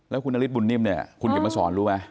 แล้วคุณนฤทธิ์บุญนิมคุณกลับมาสอนรู้มั้ย